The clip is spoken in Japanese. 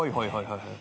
はいはい。